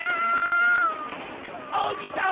おにさん